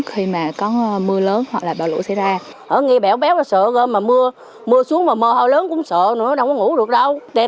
khi mà có mưa lớn hoặc là bão lũ xảy ra